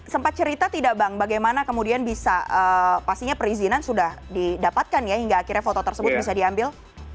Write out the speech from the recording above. sempat cerita tidak bang bagaimana kemudian bisa pastinya perizinan sudah didapatkan ya hingga akhirnya foto tersebut bisa diambil